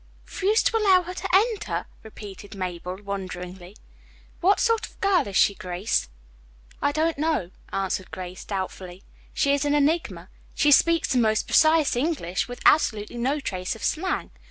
"Refused to allow her to enter," repeated Mabel wonderingly. "What sort of girl is she, Grace?" "I don't know," answered Grace doubtfully. "She is an enigma. She speaks the most precise English, with absolutely no trace of slang.